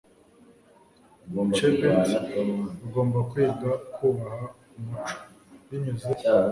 chebet, ugomba kwiga kubaha umuco. binyuze